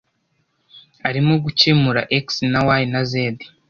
arimo gukemura x na y na z